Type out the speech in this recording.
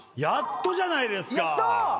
やっとじゃないですか。